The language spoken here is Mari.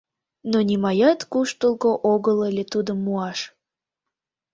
Но нимаят куштылго огыл ыле тудым муаш.